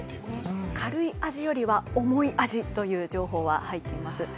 軽い味よりは重い味という情報は入っています。